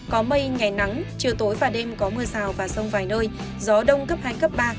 có mây ngày nắng chiều tối và đêm có mưa rào và rông vài nơi gió đông cấp hai cấp ba